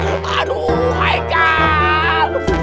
waalaikum salam ustaz